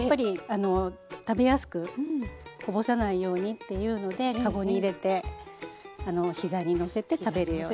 あの食べやすくこぼさないようにっていうので籠に入れて膝にのせて食べるように。